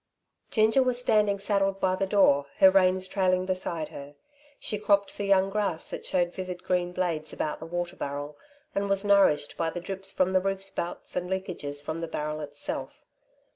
Ginger was standing saddled by the door, her reins trailing beside her. She cropped the young grass that showed vivid green blades about the water barrel, and was nourished by the drips from the roof spouts and leakages from the barrel itself.